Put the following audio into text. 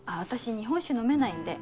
日本酒飲めないんで。